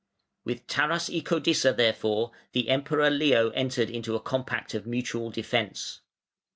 With Tarasicodissa therefore the Emperor Leo entered into a compact of mutual defence.